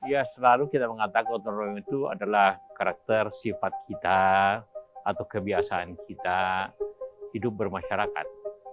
ya selalu kita mengatakan otonom itu adalah karakter sifat kita atau kebiasaan kita hidup bermasyarakat